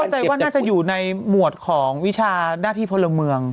เข้าใจว่าน่าจะอยู่ในหมวดของวิชานาธิพลเมือง